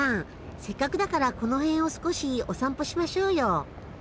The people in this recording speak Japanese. せっかくだからこの辺を少しお散歩しましょうよ。